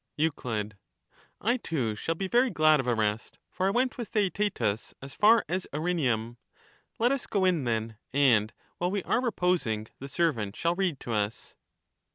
Euc. I too shall be very glad of a rest, for I went with Theaetetus as far as Erineum. Let us go in, then, and, while we are reposing, the servant shall read to us.